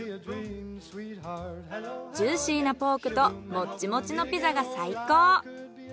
ジューシーなポークとモッチモチのピザが最高。